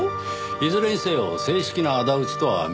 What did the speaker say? いずれにせよ正式な仇討ちとは認められませんね。